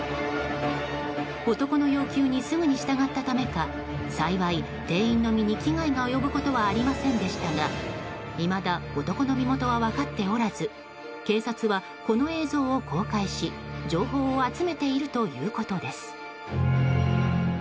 男の要求にすぐに従ったためか幸い、店員の身に危害が及ぶことはありませんでしたがいまだ、男の身元は分かっておらず警察は、この映像を公開し情報を集めているということです。